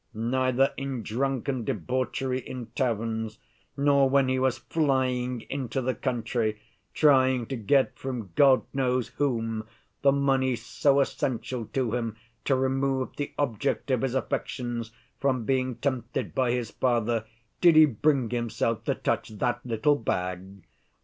Neither in drunken debauchery in taverns, nor when he was flying into the country, trying to get from God knows whom, the money so essential to him to remove the object of his affections from being tempted by his father, did he bring himself to touch that little bag!